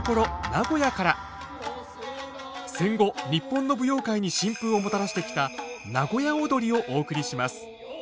戦後日本の舞踊界に新風をもたらしてきた名古屋をどりをお送りします。